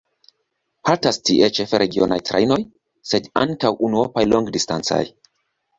Haltas tie ĉefe regionaj trajnoj, sed ankaŭ unuopaj longdistancaj.